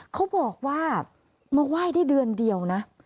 เขาบอกว่ามาไหว้ได้เดือนเดียวนะ